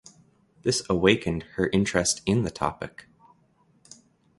This awakened her interest in the topic.